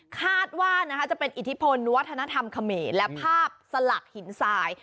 คาดว่าจะเป็นอิทธิพลวัฒนธรรมเขมรและภาพสลักหินทราย